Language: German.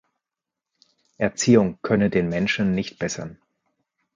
Erziehung könne den Menschen nicht bessern.